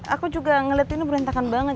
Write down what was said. aku juga ngeliat ini berlentakan banget